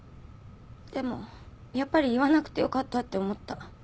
でもやっぱり言わなくてよかったって思った。